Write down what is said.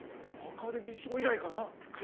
アカデミー賞以来かな。